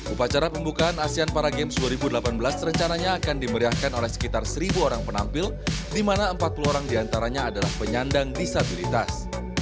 upacara pembukaan asean para games dua ribu delapan belas rencananya akan dimeriahkan oleh sekitar seribu orang penampil di mana empat puluh orang diantaranya adalah penyandang disabilitas